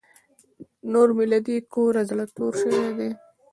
نور مې له دې کوره زړه تور شوی دی.